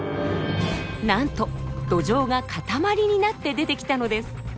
なんとドジョウが塊になって出てきたのです。